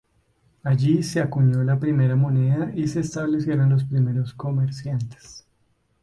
Allí se acuñó la primera moneda y se establecieron los primeros comerciantes.